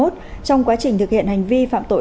trong quá trình thực hiện hành vi phạm tội